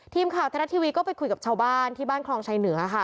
ทีมข่าวไทยรัฐทีวีก็ไปคุยกับชาวบ้านที่บ้านคลองชายเหนือค่ะ